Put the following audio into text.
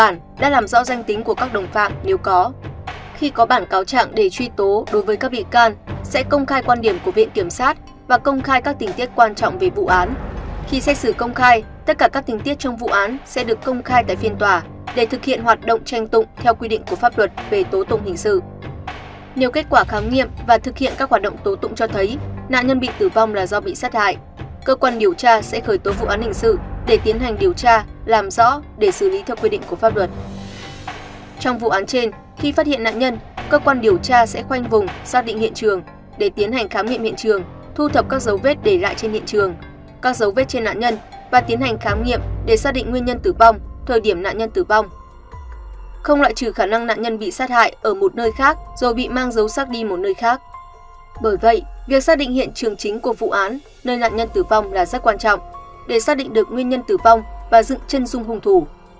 nơi nạn nhân tử vong là rất quan trọng để xác định được nguyên nhân tử vong và dựng chân dung hùng thủ